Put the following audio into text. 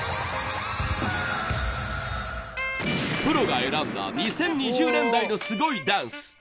プロが選んだ２０２０年代のすごいダンス。